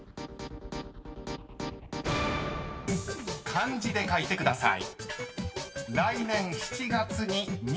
［漢字で書いてください］